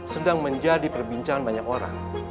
sedang menjadi perbincangan banyak orang